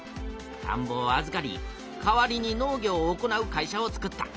たんぼをあずかり代わりに農業を行う会社を作った。